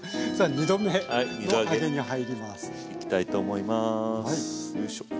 ２度揚げに入ります。